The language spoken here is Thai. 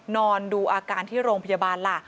นอนดูอาการที่โรงพยาบาลล่ะ